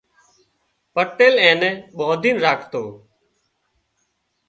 پٽيل اين نين ٻانڌين راکتو